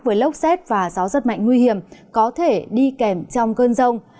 với lốc xét và gió rất mạnh nguy hiểm có thể đi kèm trong cơn rông